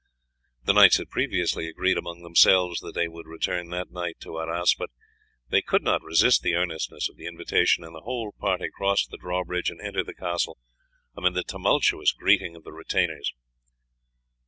The knights had previously agreed among themselves that they would return that night to Arras; but they could not resist the earnestness of the invitation, and the whole party crossed the drawbridge and entered the castle, amid the tumultuous greeting of the retainers.